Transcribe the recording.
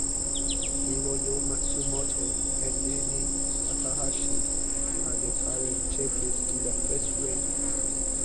Hiroyo Matsumoto and Nanae Takahashi are the current champions in their first reign.